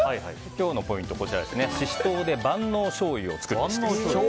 今日のポイントは、シシトウで万能しょうゆを作るべしです。